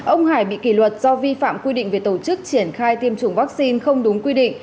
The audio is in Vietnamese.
ông hải bị kỷ luật do vi phạm quy định về tổ chức triển khai tiêm chủng vaccine không đúng quy định